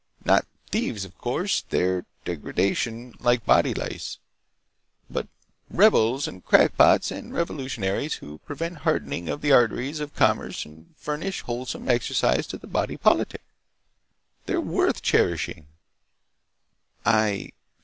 Not thieves, of course. They're degradation, like body lice. But rebels and crackpots and revolutionaries who prevent hardening of the arteries of commerce and furnish wholesome exercise to the body politic—they're worth cherishing!" "I